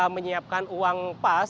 menyiapkan uang untuk pengangkutan kendaraan